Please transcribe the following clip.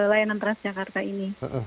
layanan transjakarta ini